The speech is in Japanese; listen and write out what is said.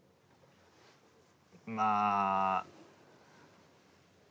まあ。